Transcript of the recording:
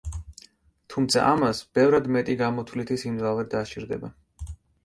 თუმცა ამას ბევრად მეტი გამოთვლითი სიმძლავრე დასჭირდება.